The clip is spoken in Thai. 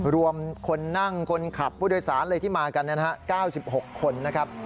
คนนั่งคนขับผู้โดยสารเลยที่มากัน๙๖คนนะครับ